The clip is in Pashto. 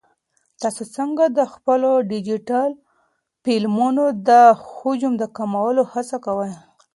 تاسو څنګه د خپلو ډیجیټل فایلونو د حجم د کمولو هڅه کوئ؟